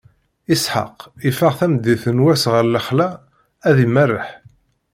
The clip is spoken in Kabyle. Isḥaq iffeɣ tameddit n wass ɣer lexla, ad imerreḥ.